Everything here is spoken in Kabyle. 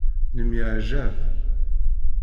Nemyeɛjab.